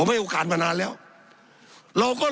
สับขาหลอกกันไปสับขาหลอกกันไป